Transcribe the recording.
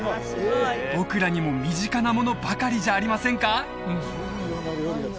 僕らにも身近なものばかりじゃありませんか？